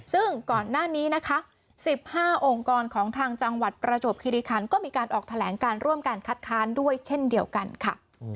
ซึ่งก่อนหน้านี้นะคะ๑๕องค์กรของทางจังหวัดประจวบคิริคันก็มีการออกแถลงการร่วมการคัดค้านด้วยเช่นเดียวกันค่ะ